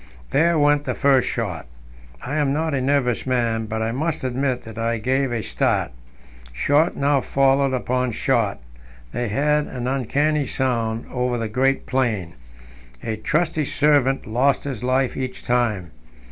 There went the first shot I am not a nervous man, but I must admit that I gave a start. Shot now followed upon shot they had an uncanny sound over the great plain. A trusty servant lost his life each time.